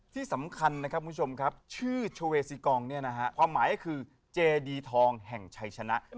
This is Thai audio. ที่สำคัญนะครับคุณผู้ชมครับชื่อโชเวซิกองเนี่ยนะฮะความหมายก็คือเจดีทองแห่งชัยชนะ